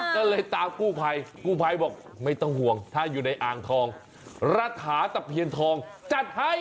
ก็เลยตามกู้ภัยกู้ภัยบอกไม่ต้องห่วงถ้าอยู่ในอ่างทองรัฐาตะเพียนทองจัดให้